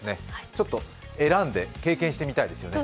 ちょっと選んで経験してみたいですね。